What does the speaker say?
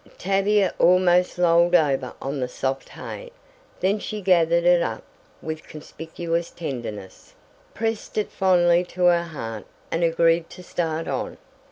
Tavia almost lolled over on the soft hay, then she gathered it up with conspicuous tenderness, pressed it fondly to her heart, and agreed to start on.